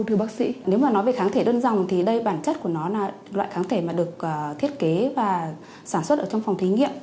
thưa bác sĩ nếu mà nói về kháng thể đơn dòng thì đây bản chất của nó là loại kháng thể mà được thiết kế và sản xuất ở trong phòng thí nghiệm